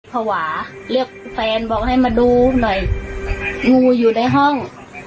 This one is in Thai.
ว่าเรียกแฟนบอกให้มาดูหน่อยงูอยู่ในห้อง